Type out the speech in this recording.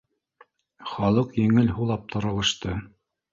Халыҡ еңел һулап таралышты